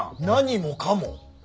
何もかも。